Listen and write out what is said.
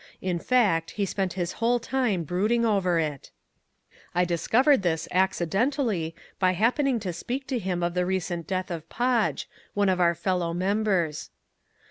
In fact he spent his whole time brooding over it. I discovered this accidentally by happening to speak to him of the recent death of Podge, one of our fellow members.